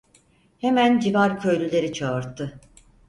Hemen civar köylüleri çağırttı.